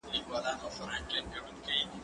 لوښي وچ کړه؟!